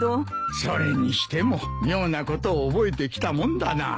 それにしても妙なことを覚えてきたもんだな。